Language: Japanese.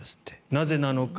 なぜなのか。